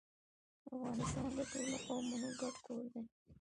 افغانستان د ټولو قومونو ګډ کور دی.